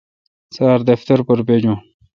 سار دفتر پر بجون۔